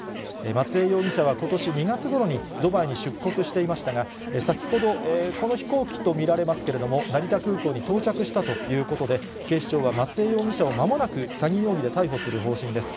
松江容疑者はことし２月ごろに、ドバイに出国していましたが、先ほど、この飛行機と見られますけれども、成田空港に到着したということで、警視庁は松江容疑者をまもなく、詐欺容疑で逮捕する方針です。